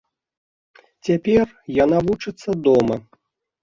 Цяпер яна вучыцца дома.